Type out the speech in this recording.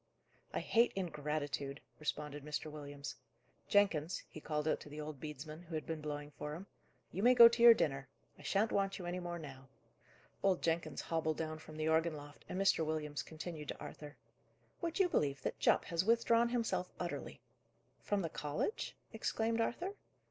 "I hate ingratitude," responded Mr. Williams. "Jenkins," he called out to the old bedesman, who had been blowing for him, "you may go to your dinner; I shan't want you any more now." Old Jenkins hobbled down from the organ loft, and Mr. Williams continued to Arthur: "Would you believe that Jupp has withdrawn himself utterly?" "From the college?" exclaimed Arthur.